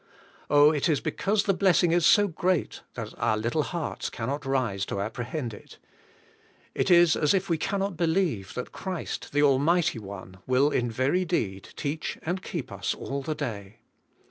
Oh, it is because the blessing is so great that our little hearts cannot rise to apprehend it; it is as if we cannot believe that Christ, the Almighty One, will in very deed teach and keep us all the day.